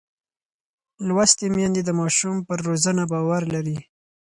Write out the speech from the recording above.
لوستې میندې د ماشوم پر روزنه باور لري.